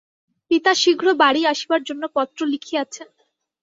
পিতা শীঘ্র বাড়ি আসিবার জন্য পত্র লিখিয়াছেন।